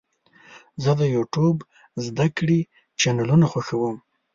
زه د یوټیوب زده کړې چینلونه خوښوم.